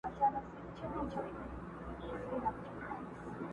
یو ږغ دی چي په خوب که مي په ویښه اورېدلی؛